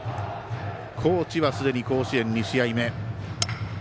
高知は、すでに甲子園２試合目。